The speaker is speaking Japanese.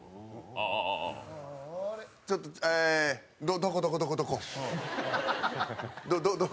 ちょっとどこ、どこ、どこ、どこ？